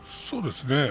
そうですね。